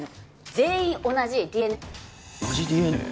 全員同じＤＮＡなのよ。